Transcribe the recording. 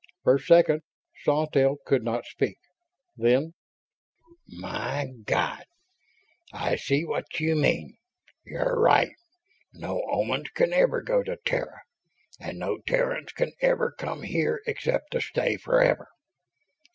For seconds Sawtelle could not speak. Then: "My ... God. I see what you mean. You're right. No Omans can ever go to Terra; and no Terrans can ever come here except to stay forever."